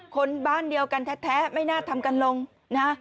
คนบ้านเดียวกันแท้ไม่น่าทำกันลงนะ